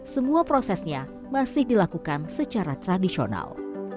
semua prosesnya masih dilakukan secara tradisional